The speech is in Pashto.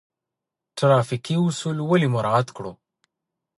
ټرافیکي اصول ولې مراعات کړو؟